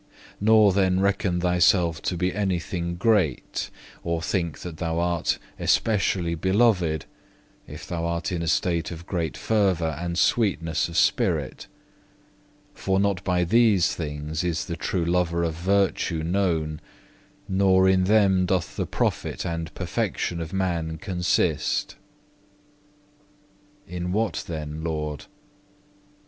Nor then reckon thyself to be anything great, or think that thou art specially beloved, if thou art in a state of great fervour and sweetness of spirit; for not by these things is the true lover of virtue known, nor in them doth the profit and perfection of man consist." 4. In what then, Lord?